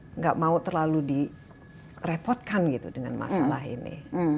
tidak mau terlalu direpotkan gitu dengan masalah ini